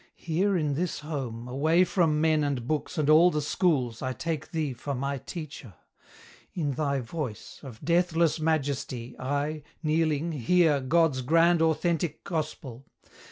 Here, in this home, Away from men and books and all the schools, I take thee for my Teacher. In thy voice Of deathless majesty, I, kneeling, hear God's grand authentic Gospel!